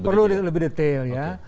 perlu lebih detail ya